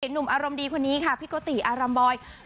หนุ่มอารมณ์ดีคนนี้ค่ะพี่โกติอารัมบอย